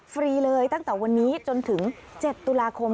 ฟรีเลยตั้งแต่วันนี้จนถึง๗ตุลาคม